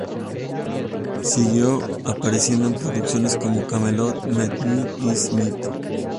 Siguió apareciendo en producciones como "Camelot", "Meet Me In St.